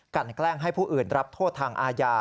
แกล้งให้ผู้อื่นรับโทษทางอาญา